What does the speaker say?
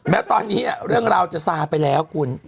แม้ตอนนี้เรื่องราวจะซาไปแล้วคุณ